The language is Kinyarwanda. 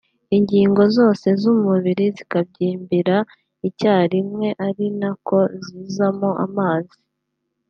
Ingingo zose z’umubiri zikabyimbira icyarimwe ari na ko zizamo amazi